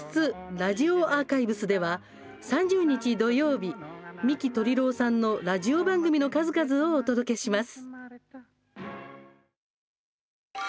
ラジオアーカイブス」では、３０日土曜日三木鶏郎さんのラジオ番組の数々をお届けします。